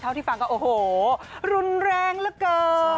ที่ฟังก็โอ้โหรุนแรงเหลือเกิน